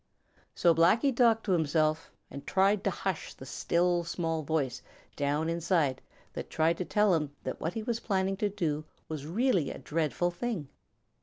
So Blacky talked to himself and tried to hush the still, small voice down inside that tried to tell him that what he was planning to do was really a dreadful thing.